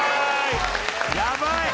やばい！